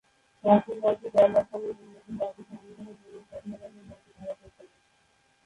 প্রাক্তন দলটি জয়লাভ করে এবং নতুন রাজ্য সংবিধানে ধর্মীয় স্বাধীনতার জন্য একটি ধারা যোগ করে।